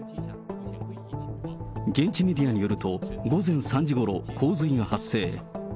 現地メディアによると、午前３時ごろ、洪水が発生。